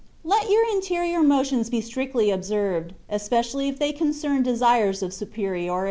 Let your interior motions be strictly observed, especially if they concern desires of superiority.